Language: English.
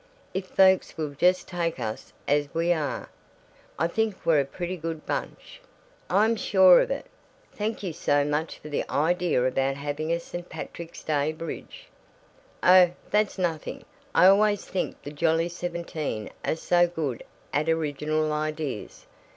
If folks will just take us as we are, I think we're a pretty good bunch!" "I'm sure of it. Thank you so much for the idea about having a St. Patrick's Day bridge." "Oh, that's nothing. I always think the Jolly Seventeen are so good at original ideas.